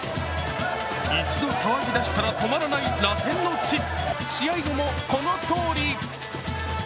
一度騒ぎ出したら止まらないラテンの血、試合後もこのとおり。